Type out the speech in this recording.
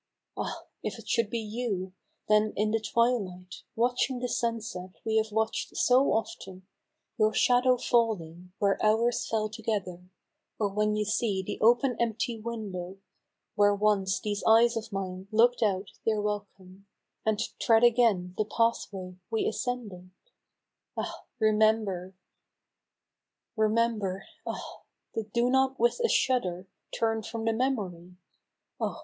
Ah ! if it should be you, then in the twilight, Watching the sunset we have watclVd so often, Your shadow falling where ours fell together. Or when you see the open empty window. Where once these eyes of mine look'd out their wel come, And tread again the pathway we ascended, Ah ! remember ! Remember, ah ! but do not with a shudder, Turn from the memory. Oh